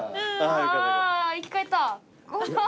あ生き返った。